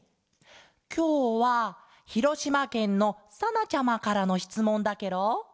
きょうはひろしまけんのさなちゃまからのしつもんだケロ。